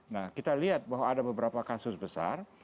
nah kita lihat bahwa ada beberapa kasus besar